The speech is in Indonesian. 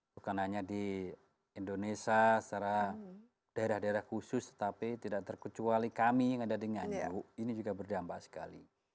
bukan hanya di indonesia secara daerah daerah khusus tetapi tidak terkecuali kami yang ada di nganjuk ini juga berdampak sekali